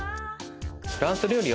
フランス料理